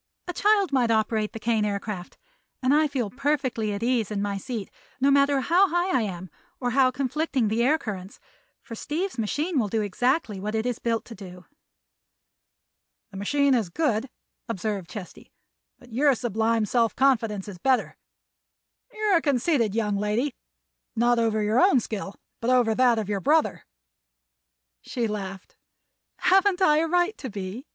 A child might operate the Kane Aircraft, and I feel perfectly at ease in my seat, no matter how high I am or how conflicting the air currents; for Steve's machine will do exactly what it is built to do." "The machine is good," observed Chesty, "but your sublime self confidence is better. You're a conceited young lady—not over your own skill, but over that of your brother." She laughed. "Haven't I a right to be?"